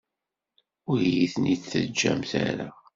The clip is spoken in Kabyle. Ur iyi-ten-id-teǧǧamt ara.